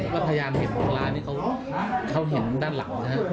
แล้วพยายามเห็นคนร้ายนี่เขาเห็นด้านหลังใช่ไหม